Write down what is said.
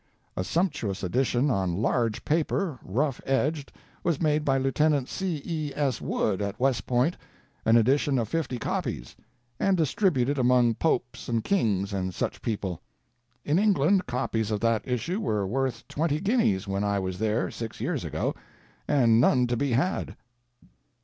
A sumptuous edition on large paper, rough edged, was made by Lieut. C. E. S. Wood at West Point an edition of 50 copies and distributed among popes and kings and such people. In England copies of that issue were worth twenty guineas when I was there six years ago, and none to be had."